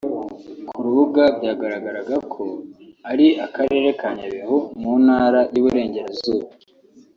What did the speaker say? Ku rubuga byagaragaraga ko ari Akarere ka Nyabihu mu Ntara y’Iburengerazuba